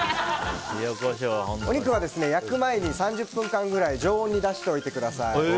お肉は焼く前に３０分間くらい常温に出しておいてください。